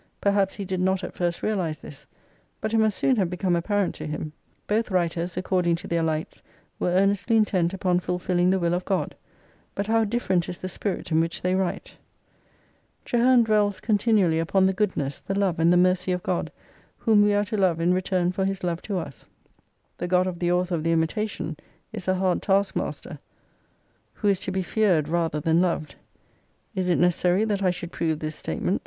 Perhaps he did not at first realise this ; but it must soon have become apparent to him. Both writers, according to their lights, were earnestly intent upon fulfilling the will of God — but how different is the spirit in which they write ! Traherne dwells continually upon the goodness, the love, and the mercy of God, whom we are to love in return for His love to us : the God of the author of the Imitation " is a hard taskmaster, who is to be feared xvii rather than loved. Is it necessary that I should prove this statement